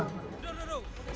tidak tidak tidak